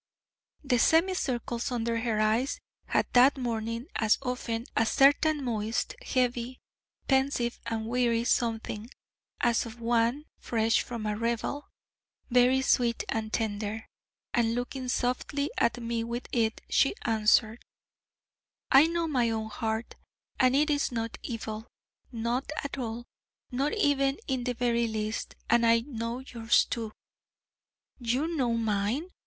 The semicircles under her eyes had that morning, as often, a certain moist, heavy, pensive and weary something, as of one fresh from a revel, very sweet and tender: and, looking softly at me with it, she answered: 'I know my own heart, and it is not evil: not at all: not even in the very least: and I know yours, too.' 'You know _mine!